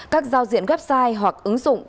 các giao diện website hoặc ứng dụng